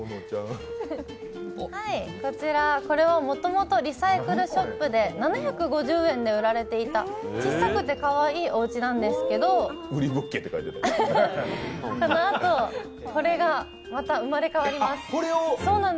こちら、これはもともとリサイクルショップで７５０円で売られていた小さくてかわいい、おうちなんですけどこのあと、これがまた生まれ変わります。